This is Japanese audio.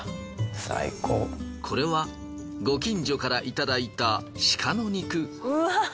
これはご近所からいただいた鹿の肉。